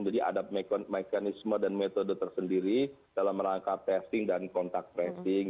ada mekanisme dan metode tersendiri dalam rangka testing dan kontak tracing